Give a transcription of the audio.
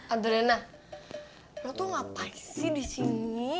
adrena lo tuh ngapain sih di sini